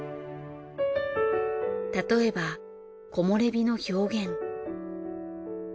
例えば木漏れ日の表現。